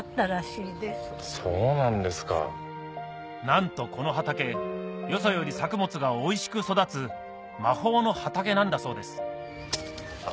なんとこの畑よそより作物がおいしく育つ魔法の畑なんだそうです